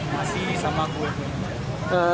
masih sama gue